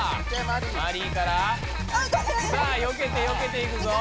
マリイからさあよけてよけていくぞ。